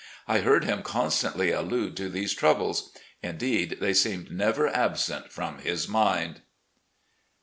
I heard him constantly allude to these troubles; indeed, they seemed never absent from his mind.